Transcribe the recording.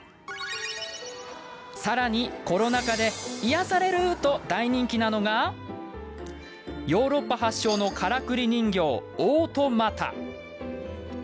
さらに、コロナ禍で癒やされると大人気なのがヨーロッパ発祥のからくり人形オートマタ。